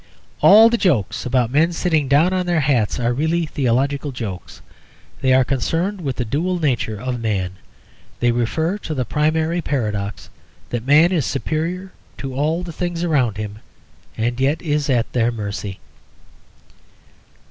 All the jokes about men sitting down on their hats are really theological jokes; they are concerned with the Dual Nature of Man. They refer to the primary paradox that man is superior to all the things around him and yet is at their mercy.